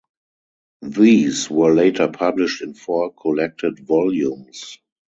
These were later published in four collected volumes.